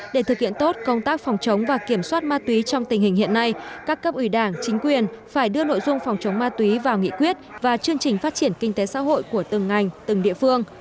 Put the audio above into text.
để thực hiện tốt công tác phòng chống và kiểm soát ma túy trong tình hình hiện nay các cấp ủy đảng chính quyền phải đưa nội dung phòng chống ma túy vào nghị quyết và chương trình phát triển kinh tế xã hội của từng ngành từng địa phương